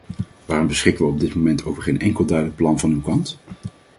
Waarom beschikken we op dit moment over geen enkel duidelijk plan van uw kant?